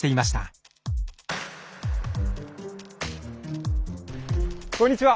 あこんにちは。